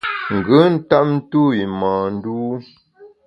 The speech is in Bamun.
Ngùn ntap ntu’w i mâ ndû.